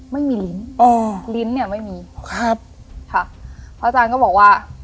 ลิ้นอ๋อลิ้นเนี่ยไม่มีครับค่ะพระอาจารย์ก็บอกว่า